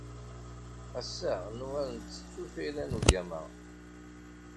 Ass-a, nuɣal nttettu lfayda n ugama.